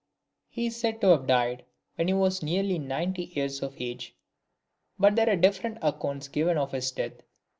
XI. He is said to have died when he was nearly ninety years of age, hut there are different accounts given of his death.